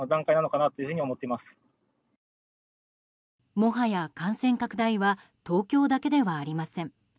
もはや感染拡大は東京だけではありません。